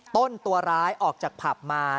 ต้นตัวร้ายออกจากผับมา